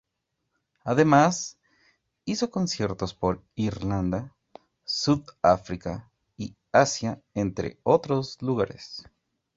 Además hizo conciertos por Irlanda, Sudáfrica y Asia entre otros lugares.